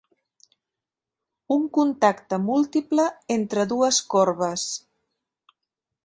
Un contacte múltiple entre dues corbes.